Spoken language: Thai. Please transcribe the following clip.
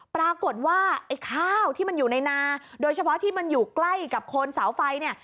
ปรากฏว่าไอ้ข้าวที่มันอยู่ในนาโดยเฉพาะที่มันอยู่ใกล้กับโคนเสาไฟเนี่ย